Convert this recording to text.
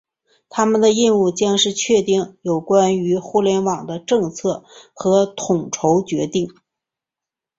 他们的任务将是确定有关于互联网的政策和统筹决策。